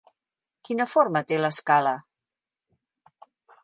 Quina forma té l'escala?